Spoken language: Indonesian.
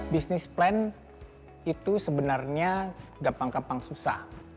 bisnis plan itu sebenarnya gampang gampang susah